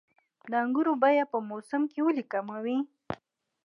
د انګورو بیه په موسم کې ولې کمه وي؟